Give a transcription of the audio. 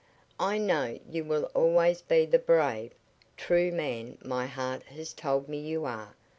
I know you will always be the brave, true man my heart has told me you are.